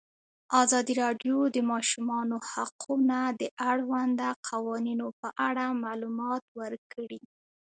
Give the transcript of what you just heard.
ازادي راډیو د د ماشومانو حقونه د اړونده قوانینو په اړه معلومات ورکړي.